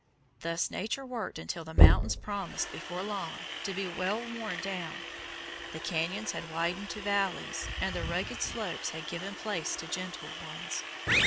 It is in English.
Thus Nature worked until the mountains promised before long to be well worn down. The cañons had widened to valleys and the rugged slopes had given place to gentle ones.